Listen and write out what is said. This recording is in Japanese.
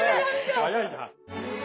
早いな。